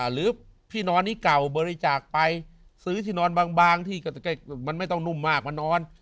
หรือที่นอนนี้เก่าบริจาคไปซื้อที่นอนบางที่ก็มันไม่ต้องนุ่มมากมานอน